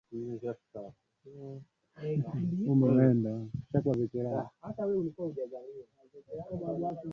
inaongozwa na ufa na utawala wa kifalme